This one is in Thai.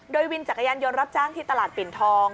โดยวินจักรยานยนต์รับจ้างที่ตลาดปิ่นทอง